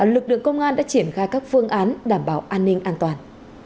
lực lượng công an đã triển khai các phương án đảm bảo an ninh an toàn